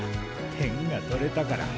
点が取れたから。